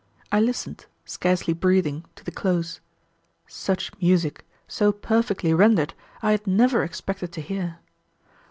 I listened, scarcely breathing, to the close. Such music, so perfectly rendered, I had never expected to hear.